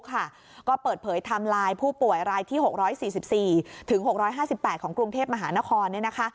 ก็เปิดเผยไทม์ไลน์ผู้ป่วยรายที่๖๔๔๖๕๘ของกรุงเทพมหานคร